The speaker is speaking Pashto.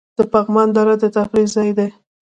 د پغمان دره د تفریح ځای دی